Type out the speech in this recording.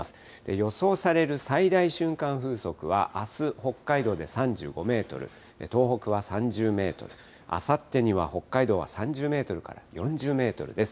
予想される最大瞬間風速は、あす、北海道で３５メートル、東北は３０メートル、あさってには北海道は３０メートルから４０メートルです。